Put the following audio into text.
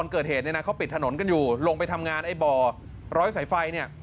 ว่าเกิดเหตุเขาปิดถนนกันอยู่ลงไปทำงานบ่อร้อยสายไฟ